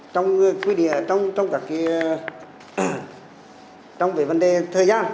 trong quy địa trong các cái trong cái vấn đề thời gian